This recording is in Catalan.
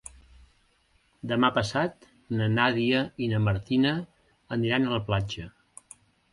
Demà passat na Nàdia i na Martina aniran a la platja.